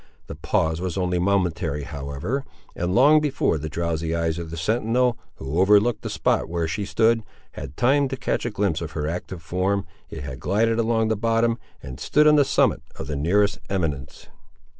The pause was only momentary, however; and long before the drowsy eyes of the sentinel, who overlooked the spot where she stood, had time to catch a glimpse of her active form, it had glided along the bottom, and stood on the summit of the nearest eminence.